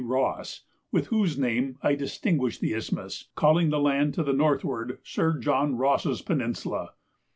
Ross, with whose name I distinguished the isthmus, calling the land to the northward Sir John Ross's Peninsula.